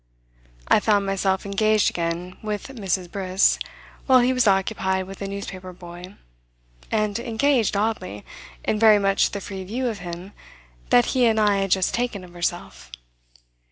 I found myself engaged again with Mrs. Briss while he was occupied with a newspaper boy and engaged, oddly, in very much the free view of him that he and I had just taken of herself.